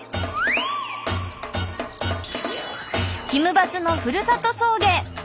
バスのふるさと送迎！